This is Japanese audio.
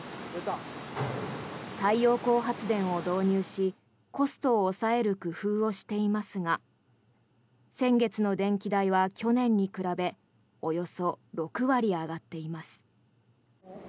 太陽光発電を導入しコストを抑える工夫をしていますが先月の電気代は去年に比べおよそ６割上がっています。